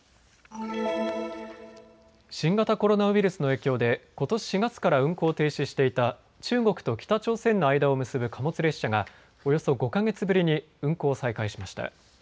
新型コロナウイルスの影響でことし４月から運行を停止していた中国と北朝鮮の間を結ぶ貨物列車がおよそ５か月ぶりに運行を再開しました。